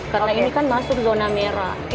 karena ini kan masuk zona merah